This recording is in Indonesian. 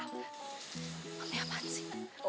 mami apaan sih